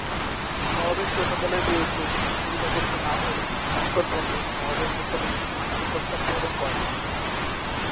নবাবের সৈন্যদলের বিরুদ্ধে বিশেষ সুবিধা করতে না পেরে ভাস্কর পণ্ডিত নবাবের নিকট একটি শান্তি প্রস্তাব প্রেরণ করেন।